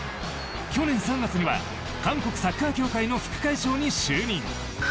去年３月には韓国サッカー協会の副会長に就任。